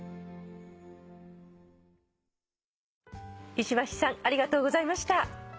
石橋さんありがとうございました。